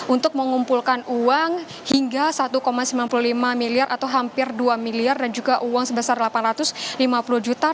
untuk mengumpulkan uang hingga satu sembilan puluh lima miliar atau hampir dua miliar dan juga uang sebesar delapan ratus lima puluh juta